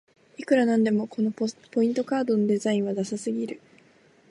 いくらなんでもこのポイントカードのデザインはダサすぎる